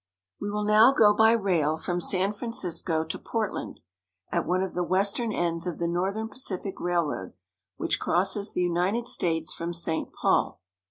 WE will now go by rail from San Francisco to Port land, at one of the western ends of the Northern Pacific Railroad, which crosses the United States from St. Paul.